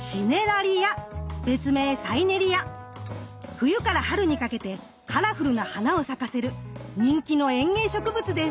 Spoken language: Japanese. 冬から春にかけてカラフルな花を咲かせる人気の園芸植物です。